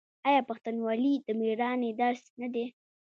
آیا پښتونولي د میړانې درس نه دی؟